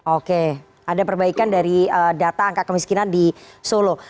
oke ada perbaikan dari data angka kemiskinan di solo